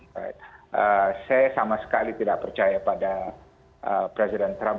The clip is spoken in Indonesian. saya sama sekali tidak percaya pada presiden trump